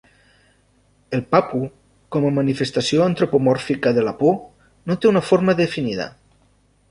El Papu, com a manifestació antropomòrfica de la por, no té una forma definida.